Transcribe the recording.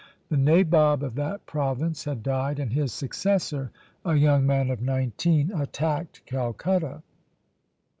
The nabob of that province had died, and his successor, a young man of nineteen, attacked Calcutta.